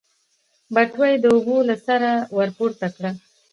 بټوه يې د اوبو له سره ورپورته کړه.